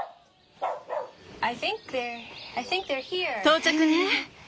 到着ね。